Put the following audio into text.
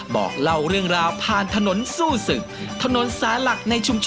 บอกเล่าเรื่องราวผ่านถนสู้สึก